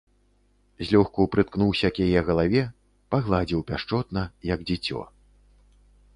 Злёгку прыткнуўся к яе галаве, пагладзіў пяшчотна, як дзіцё.